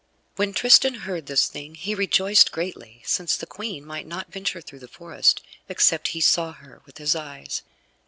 When Tristan heard this thing he rejoiced greatly, since the Queen might not adventure through the forest, except he saw her with his eyes.